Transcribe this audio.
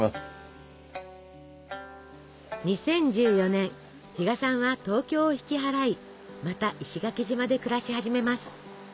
２０１４年比嘉さんは東京を引き払いまた石垣島で暮らし始めます。